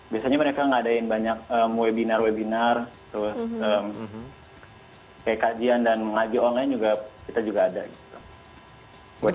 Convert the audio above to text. biasanya mereka ngadain banyak webinar webinar terus kayak kajian dan mengaji online juga kita juga ada gitu